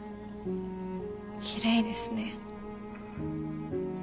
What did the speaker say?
きれいですね。